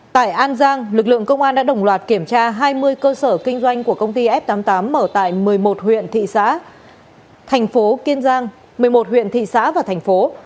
tại an giang lực lượng công an đã đồng loạt kiểm tra hai mươi cơ sở kinh doanh của công ty f tám mươi tám mở tại một mươi một huyện thị xã thành phố kiên giang một mươi một huyện thị xã và thành phố